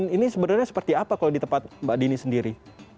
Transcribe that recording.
ini sebenarnya seperti apa kalau di tempat mbak dini sendiri